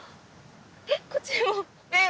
えっこっちも！